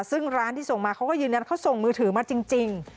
ซึ่งร้านที่ส่งมาเขาก็ยืนยันเขาส่งมือถือมาจริง